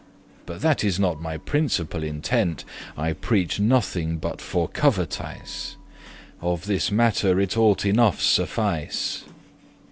But that is not my principal intent; I preache nothing but for covetise. Of this mattere it ought enough suffice.